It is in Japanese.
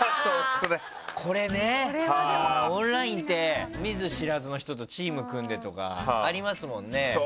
これね、オンラインって見ず知らずの人とチーム組んでとかありますもんね。